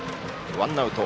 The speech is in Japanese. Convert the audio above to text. ワンアウト。